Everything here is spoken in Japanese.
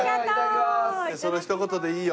そのひと言でいいよ。